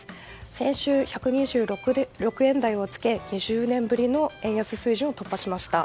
先週１２６円台をつけ２０年ぶりの円安水準を突破しました。